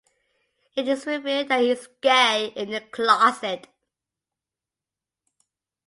It is revealed that he is gay and in the closet.